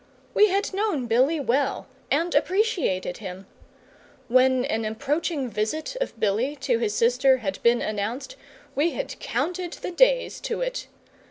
We had known Billy well, and appreciated him. When an approaching visit of Billy to his sister had been announced, we had counted the days to it.